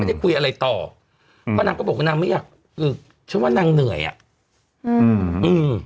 ได้คุยอะไรต่อก็นางก็บอกว่านางไม่อยากคือฉันว่านางเหนื่อยอ่ะอืมอืม